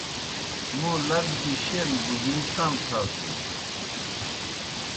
موں لد گیْ شین بُہِیں تام ساسُن۔